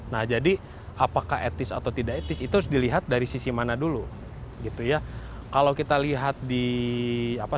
nah jadi apakah etis atau tidak etis itu dilihat dari sisi mana dulu gitu ya kalau kita lihat di apa